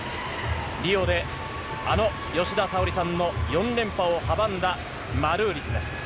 リオであの吉田沙保里さんの４連覇を阻んだマルーリスです。